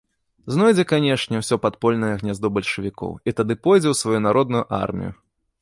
Знойдзе, канешне, усё падпольнае гняздо бальшавікоў і тады пойдзе ў сваю народную армію.